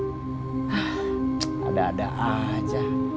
nah ada ada aja